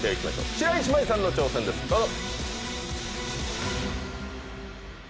白石麻衣さんの挑戦ですどうぞ。